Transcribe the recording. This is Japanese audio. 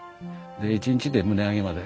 で一日で棟上げまで。